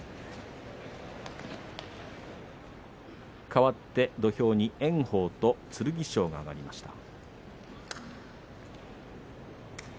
かわって土俵に炎鵬と剣翔が上がりました。